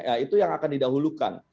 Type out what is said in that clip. nah itu yang akan didahulukan